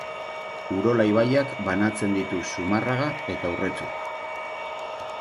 Urola ibaiak banatzen ditu Zumarraga eta Urretxu.